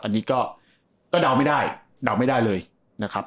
อันนี้ก็เดาไม่ได้เลยนะครับ